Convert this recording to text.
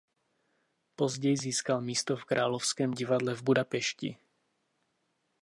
Později získal místo v Královském divadle v Budapešti.